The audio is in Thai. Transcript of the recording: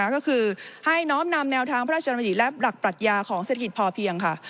ก็คือให้น้อมนำแนวทางพระราชดำริและหลักปรัชญาของเศรษฐกิจพอเพียงค่ะ